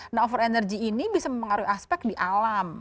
nah over energy ini bisa mempengaruhi aspek di alam